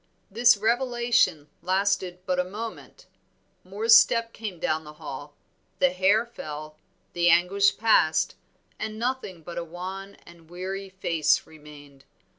This revelation lasted but a moment, Moor's step came down the hall, the hair fell, the anguish passed, and nothing but a wan and weary face remained.